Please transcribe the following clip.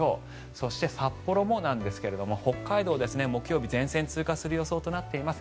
そして、札幌もなんですが北海道、木曜日前線が通過する予想となっています。